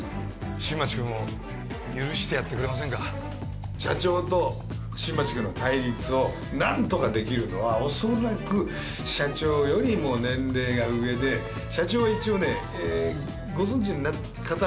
新町君を許してやってくれませんか社長と新町君の対立を何とかできるのは恐らく社長よりも年齢が上で社長は一応ねご存じの方はご存じだと思うんですけど